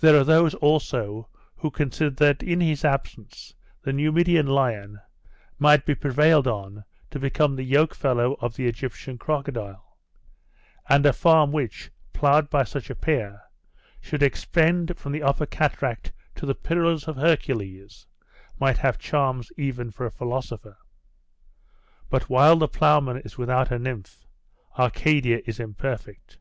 There are those also who consider that in his absence the Numidian lion might be prevailed on to become the yoke fellow of the Egyptian crocodile; and a farm which, ploughed by such a pair, should extend from the upper cataract to the Pillars of Hercules, might have charms even for a philosopher. But while the ploughman is without a nymph, Arcadia is imperfect.